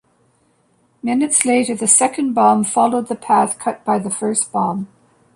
Minutes later the second bomb followed the path cut by the first bomb.